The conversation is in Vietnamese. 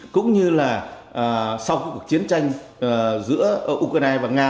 cũng như là sau cuộc chiến tranh giữa ukraine và nga